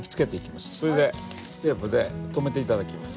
それでテープで留めて頂きます。